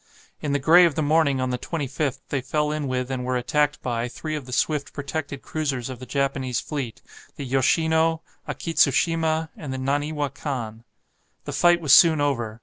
In the grey of the morning on the 25th they fell in with, and were attacked by, three of the swift protected cruisers of the Japanese fleet, the "Yoshino," "Akitsushima," and "Naniwa Kan." The fight was soon over.